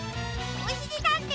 おしりたんていさん